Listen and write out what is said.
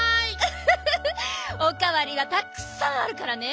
フフフ！おかわりはたくさんあるからね。